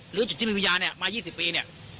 หรือจุดที่มีวิญญาณเนี่ยมา๒๐ปีเนี่ย